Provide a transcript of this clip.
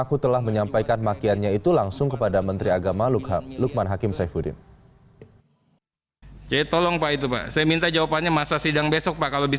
kementerian agama yang bermitra dengan kemenak